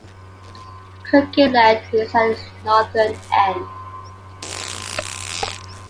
Cook Inlet is at its northern end.